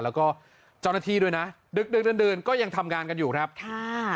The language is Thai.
แล้วก็เจ้าหน้าที่ด้วยนะดึกดึกดื่นก็ยังทำงานกันอยู่ครับค่ะ